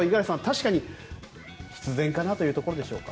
確かに必然かなというところでしょうか。